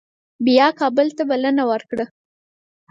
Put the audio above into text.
بیا کابل ته بلنه ورکړه.